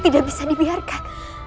tidak bisa dibiarkan